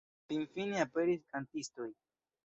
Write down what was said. Finfine aperis kantistoj.